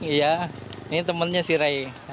iya ini temannya si rai